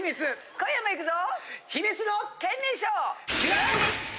今夜もいくぞ！